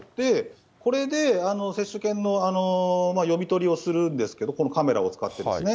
これで接種券の読み取りをするんですけれども、このカメラを使ってですね。